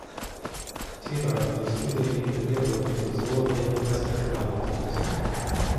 Сіра зустріла її довірливо й дозволила їй пестити малих цуценят.